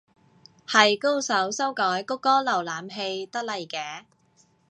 係高手修改谷歌瀏覽器得嚟嘅